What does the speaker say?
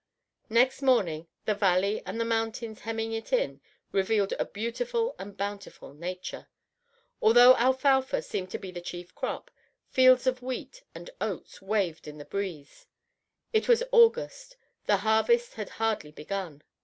Next morning the valley and the mountains hemming it in revealed a beautiful and bountiful nature. Although alfalfa seemed to be the chief crop, fields of wheat and oats waved in the breeze. It was August; the harvest had hardly begun.